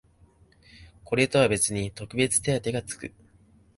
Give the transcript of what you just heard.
これとは別に特別手当てがつく